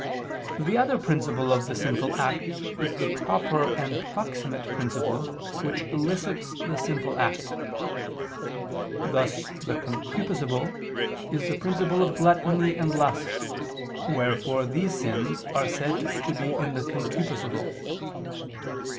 The other principle of the sinful act is the proper and proximate principle which elicits the sinful act: thus the concupiscible is the principle of gluttony and lust, wherefore these sins are said to be in the concupiscible.